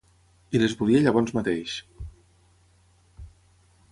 I les volia llavors mateix.